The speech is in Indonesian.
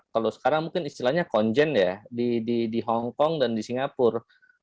kalau sekarang mungkin istilahnya konjen ya di hongkong dan di singapura